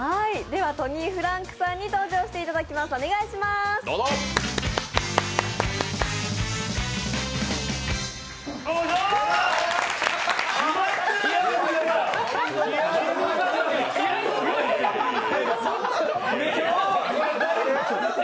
ではトニーフランクさんに登場していただきたいと思います。